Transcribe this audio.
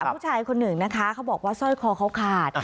ผู้ชายคนหนึ่งนะคะเขาบอกว่าสร้อยคอเขาขาด